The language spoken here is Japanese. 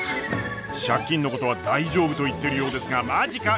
借金のことは大丈夫と言ってるようですがマジか？